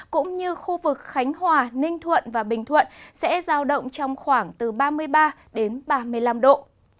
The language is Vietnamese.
cũng như khu vực khánh hòa ninh thuận và bình thuận sẽ giao động trong khoảng từ ba mươi ba đến ba mươi năm độ